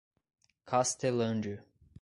Castelândia